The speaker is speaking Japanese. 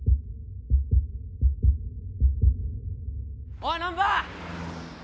おい難破！